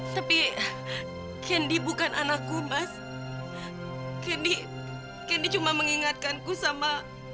sampai jumpa di video selanjutnya